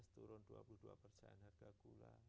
sehingga data yang saya terima